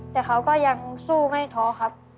แต่เขาก็ยังสู้ไม่ท้อครับ